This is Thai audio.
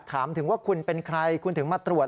ถามถึงว่าคุณเป็นใครคุณถึงมาตรวจ